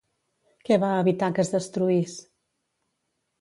Què va evitar que es destruís?